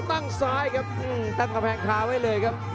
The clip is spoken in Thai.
ตั้งกระแพงขาไว้เลยครับ